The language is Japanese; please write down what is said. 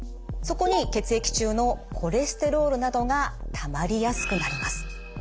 そこに血液中のコレステロールなどがたまりやすくなります。